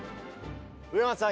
植松さん